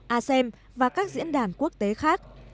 asean và các diễn đàn quốc tế khác